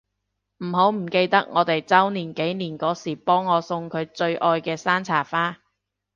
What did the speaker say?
唔好唔記得我哋週年紀念嗰時幫我送佢最愛嘅山茶花